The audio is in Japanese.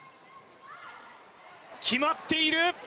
決まっている！